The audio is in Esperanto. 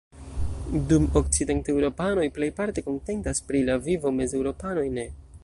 Dum okcidenteŭropanoj plejparte kontentas pri la vivo, mezeŭropanoj ne.